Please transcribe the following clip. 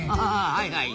はいはい。